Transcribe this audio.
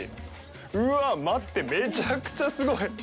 うわあ、待って、めちゃくちゃすごい！